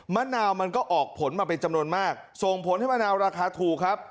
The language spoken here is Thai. มะนาวมันก็ออกผลมาเป็นจำนวนมากส่งผลให้มะนาวราคาถูกครับ